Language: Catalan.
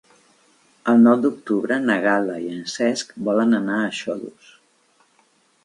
El nou d'octubre na Gal·la i en Cesc volen anar a Xodos.